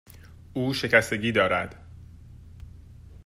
او شکستگی دارد.